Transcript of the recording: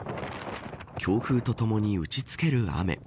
強風とともに打ちつける雨。